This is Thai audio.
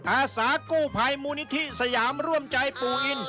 อาสากู้ภัยมูลนิธิสยามร่วมใจปู่อิน